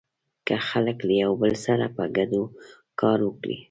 که خلک له يو بل سره په ګډه کار وکړي.